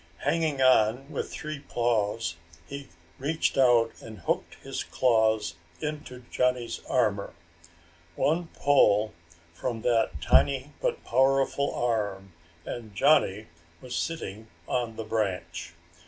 Hanging on with three paws he reached out and hooked his claws into Johnny's armor. One pull from that tiny but powerful arm and Johnny was sitting on the branch.